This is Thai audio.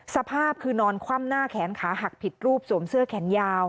สภาพคือนอนคว่ำหน้าแขนขาหักผิดรูปสวมเสื้อแขนยาว